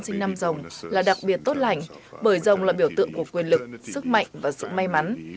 sinh năm rồng là đặc biệt tốt lành bởi rồng là biểu tượng của quyền lực sức mạnh và sự may mắn